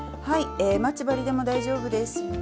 はい待ち針でも大丈夫です。